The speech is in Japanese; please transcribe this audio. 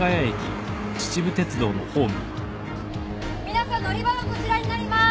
皆さん乗り場はこちらになりまーす！